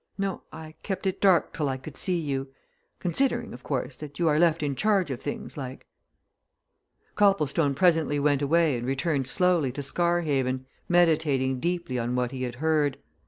No I kept it dark till I could see you. Considering, of course, that you are left in charge of things, like." Copplestone presently went away and returned slowly to Scarhaven, meditating deeply on what he had heard.